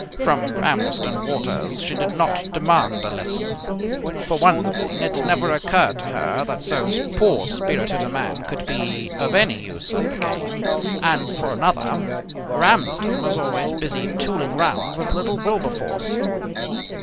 From Ramsden Waters she did not demand a lesson. For one thing it never occurred to her that so poor spirited a man could be of any use at the game, and for another Ramsden was always busy tooling round with little Wilberforce.